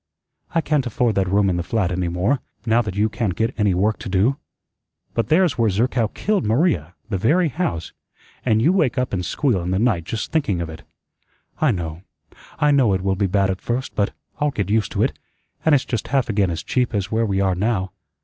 "I can't afford that room in the flat any more, now that you can't get any work to do." "But there's where Zerkow killed Maria the very house an' you wake up an' squeal in the night just thinking of it." "I know. I know it will be bad at first, but I'll get used to it, an' it's just half again as cheap as where we are now.